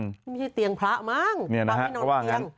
นี่ไม่ใช่เตียงพระมั้งพระมินตรเตียง